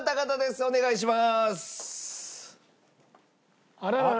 お願いします。